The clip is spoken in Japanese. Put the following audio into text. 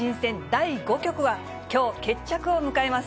第５局は、きょう、決着を迎えます。